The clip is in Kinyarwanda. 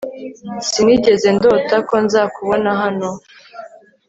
Sinigeze ndota ko nzakubona hano